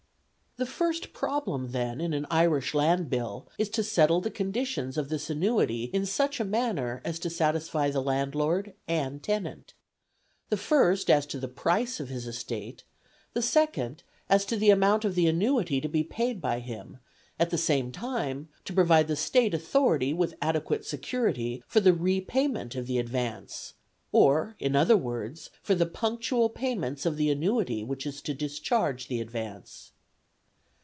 The first problem, then, in an Irish Land Bill, is to settle the conditions of this annuity in such a manner as to satisfy the landlord and tenant; the first, as to the price of his estate; the second, as to the amount of the annuity to be paid by him, at the same time to provide the State authority with adequate security for the repayment of the advance, or, in other words, for the punctual payments of the annuity which is to discharge the advance.